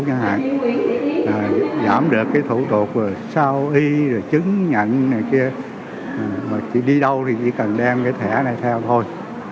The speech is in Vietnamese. thứ hai là giảm được thủ tục sao y chứng nhận đi đâu thì chỉ cần đem thẻ này theo thôi